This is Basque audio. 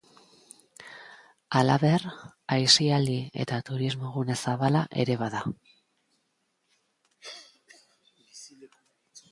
Halaber, aisialdi eta turismo gune zabala ere bada.